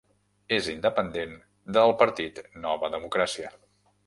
És independent de el partit Nova Democràcia.